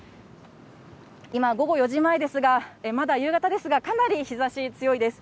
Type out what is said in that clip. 今、午後４時前ですが、まだ夕方ですが、かなり日ざし、強いです。